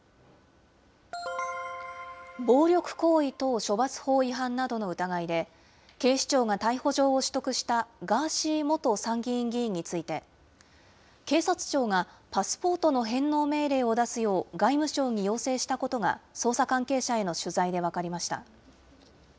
暴力行為等処罰法違反などの疑いで、警視庁が逮捕状を取得したガーシー元参議院議員について、警察庁がパスポートの返納命令を出すよう外務省に要請したことが、捜査関係者への取材で分かりました。